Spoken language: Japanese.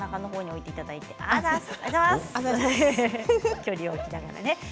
距離を置きながらね。